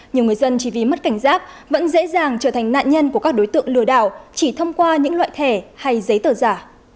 nhiều người dân chỉ vì mất cảnh giác vẫn dễ dàng trở thành nạn nhân của các đối tượng lừa đảo chỉ thông qua những loại thẻ hay giấy tờ giả